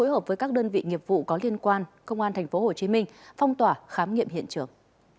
hợp với các đơn vị nghiệp vụ có liên quan công an tp hcm phong tỏa khám nghiệm hiện trường